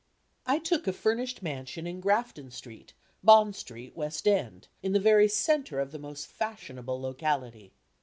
I took a furnished mansion in Grafton Street, Bond Street, West End, in the very centre of the most fashionable locality.